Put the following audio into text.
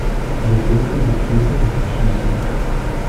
Wir dürfen die Türen nicht schließen.